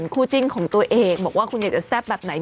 คู่จิ้นของตัวเองบอกว่าคุณอยากจะแซ่บแบบไหน